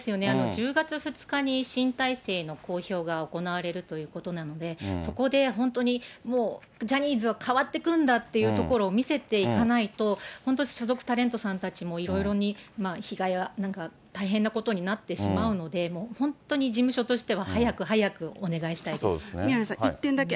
１０月２日に新体制の公表が行われるということなので、そこで本当にもうジャニーズは変わっていくんだというところを見せていかないと、本当に所属タレントさんたちもいろいろに被害、大変なことになってしまうので、もう本当に事務所としては早く早宮根さん、１点だけ。